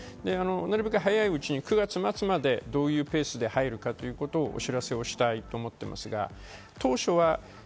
なるべく早く、９月末までにどういうペースで入るかというのをお知らせしたいと思っています。